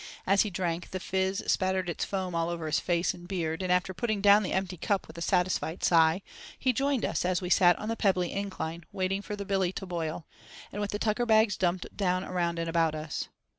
As he drank, the "fizz" spattered its foam all over his face and beard, and after putting down the empty cup with a satisfied sigh, he joined us as we sat on the pebbly incline, waiting for the billy to boil, and with the tucker bags dumped down around and about us.